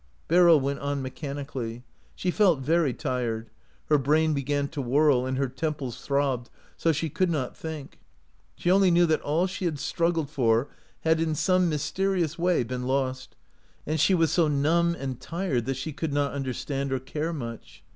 " Beryl went on mechanically. She felt very tired ; her brain began to whirl, and her tem ples throbbed so she could not think. She only knew that all she had struggled for had in some mysterious way been lost, and she was so numb and tired that she could not understand or care much.